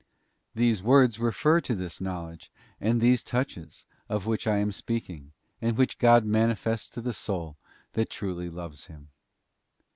'* These words refer to this knowledge and these touches, of which I am speak ing, and which God manifests to the soul that truly loves Him.